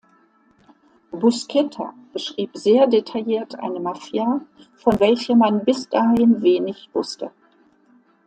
Buscetta beschrieb sehr detailliert eine Mafia, von welcher man bis dahin wenig wusste.